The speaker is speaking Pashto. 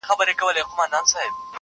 • شمع چي لمبه نه سي رڼا نه وي -